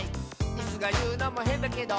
「イスがいうのもへんだけど」